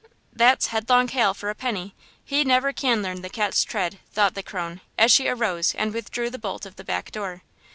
"That's 'Headlong Hal,' for a penny! He never can learn the cat's tread!" thought the crone, as she arose and withdrew the bolt of the back door.